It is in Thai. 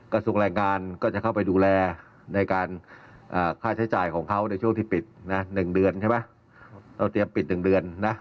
กระทรุกแรงงานก็จะเข้าไปดูแล